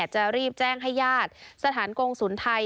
จะรีบแจ้งให้ญาติสถานกงศูนย์ไทย